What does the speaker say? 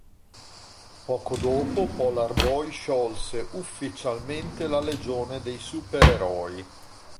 Poco dopo Polar Boy sciolse ufficialmente la Legione dei Supereroi.